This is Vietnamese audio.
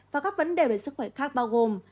và các vấn đề về sức khỏe khác bao gồm